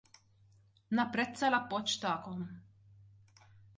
Napprezza l-appoġġ tagħkom.